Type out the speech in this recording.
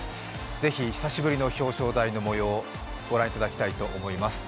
ぜひ、久しぶりの表彰台のもようご覧いただきたいと思います。